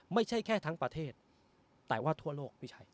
ไม่ใช่แค่ทั้งประเทศแต่ว่าทั่วโลกพี่ชัย